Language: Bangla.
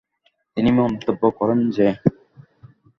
তিনি মন্তব্য করেন যে